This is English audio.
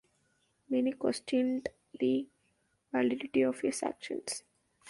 Many questioned the validity of his actions.